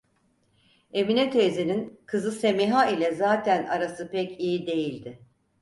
Emine teyzenin kızı Semiha ile zaten arası pek iyi değildi.